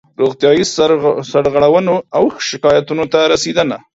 روغتیایي سرغړونو او شکایاتونو ته رسېدنه